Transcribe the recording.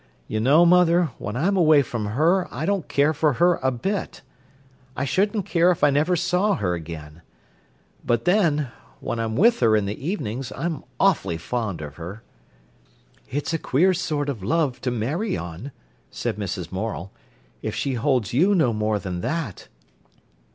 "You know, mother, when I'm away from her I don't care for her a bit. I shouldn't care if I never saw her again. But, then, when I'm with her in the evenings I am awfully fond of her." "It's a queer sort of love to marry on," said Mrs. Morel, "if she holds you no more than that!"